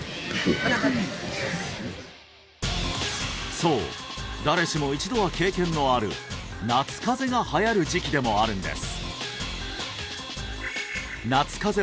そう誰しも一度は経験のある夏風邪がはやる時期でもあるんです